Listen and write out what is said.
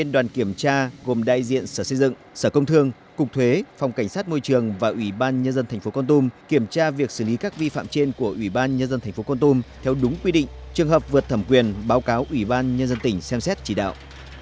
đại diện sở xây dựng sở công thương cục thuế phòng cảnh sát môi trường và ubnd tp con tum kiểm tra việc xử lý các vi phạm trên của ubnd tp con tum theo đúng quy định trường hợp vượt thẩm quyền báo cáo ubnd tp xem xét chỉ đạo